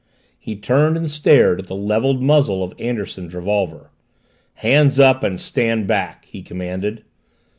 He turned, and stared at the leveled muzzle of Anderson's revolver. "Hands up and stand back!" he commanded.